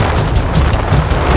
aduh kayak gitu